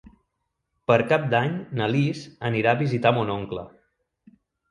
Per Cap d'Any na Lis anirà a visitar mon oncle.